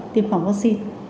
tiêm phòng vaccine